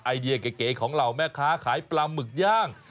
ไอเดียเก๋ของเหล่าแม่ค้าขายปลาหมึกย่าง